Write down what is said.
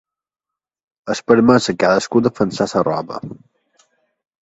És permès a cadascú defensar sa roba.